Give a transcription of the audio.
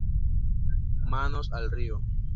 Manos al río!